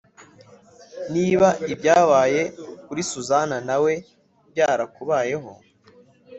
Niba ibyabaye kuri susan nawe byarakubayeho